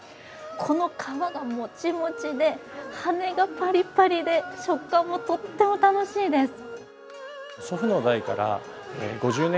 この皮がもちもちで、羽根がパリパリで食感もとっても楽しいです。